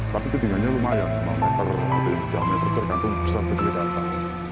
tapi ketinggiannya lumayan lima m atau tiga m tergantung besar daerah kapal